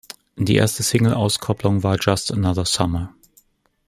Die erste Single Auskopplung war "Just Another Summer".